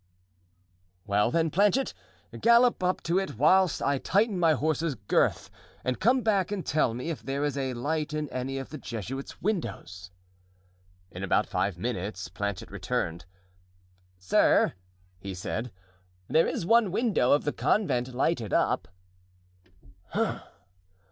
"Well, then, Planchet, gallop up to it whilst I tighten my horse's girth, and come back and tell me if there is a light in any of the Jesuits' windows." In about five minutes Planchet returned. "Sir," he said, "there is one window of the convent lighted up."